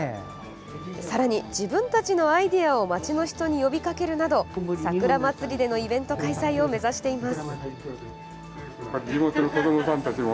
さらに自分たちのアイデアを町の人に呼び掛けるなどさくら祭でのイベント開催を目指しています。